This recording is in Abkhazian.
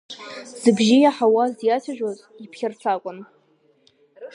Зыбжьы иаҳауаз иацәажәоз, иԥхьарцакәын.